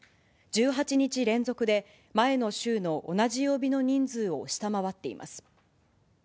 １８日連続で、前の週の同じ曜日の人数を下回っています。